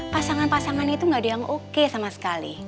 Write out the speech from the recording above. pasangan pasangan itu gak ada yang oke sama sekali